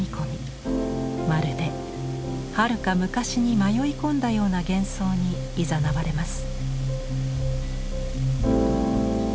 まるではるか昔に迷い込んだような幻想にいざなわれます。